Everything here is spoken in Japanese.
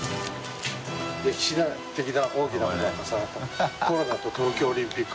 「歴史的大きな事重なった」「コロナ」と「東京オリンピック」